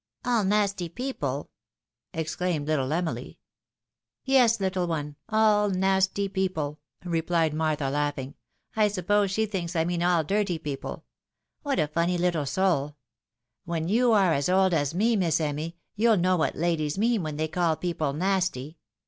" All nasty people !" exclaimed little Emily. " Yes, httle one — all nasty people ;" rephed Martha, laugh ing. " I suppose she thinks 1 mean all dirty people. What a funny little soul ! When you are as old as me, Miss Emmy, you'll know what ladies mean, when they call people nasty.